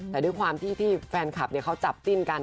แต่ด้วยความที่ที่แฟนคลับเขาจับจิ้นกัน